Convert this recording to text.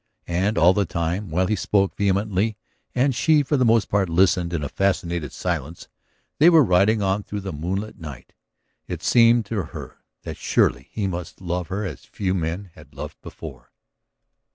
And all the time, while he spoke vehemently and she for the most part listened in a fascinated silence, they were riding on through the moonlit night. ... It seemed to her that surely he must love her as few men had loved before.